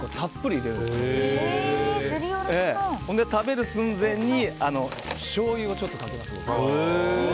それで食べる寸前にしょうゆをちょっとかけます。